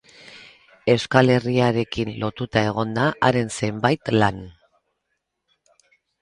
Euskal Herriarekin lotuta egon da haren zenbait lan.